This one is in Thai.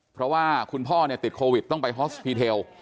เพราะว่าคุณพ่อติดโควิดต้องไปฮอสพีเทล